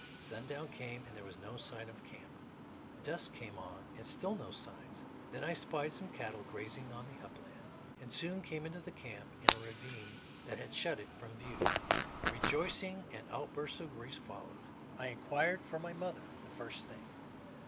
Sundown came, and there were no signs of camp. Dusk came on, and still no signs. Then I spied some cattle grazing on the upland, and soon came upon the camp in a ravine that had shut it from view. Rejoicing and outbursts of grief followed. I inquired for my mother the first thing.